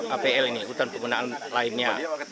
apl ini hutan penggunaan lainnya